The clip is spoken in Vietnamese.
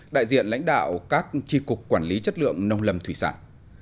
đại diện lãnh đạo các tri cục quản lý chất lượng nông lâm thủy sản